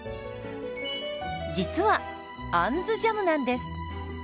実は「あんずジャム」なんです。